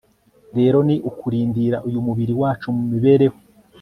rero ni ukurindira uyu mubiri wacu mu mibereho